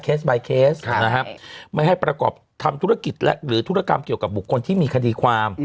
สบายเคสนะครับไม่ให้ประกอบทำธุรกิจและหรือธุรกรรมเกี่ยวกับบุคคลที่มีคดีความ